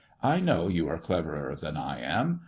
" I know you are cleverer than I am.